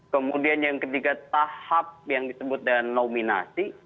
kemudian yang ketiga tahap yang disebut dengan nominasi